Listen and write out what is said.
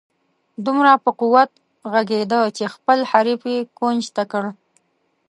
دومره په قوت ږغېده چې خپل حریف یې کونج ته کړ.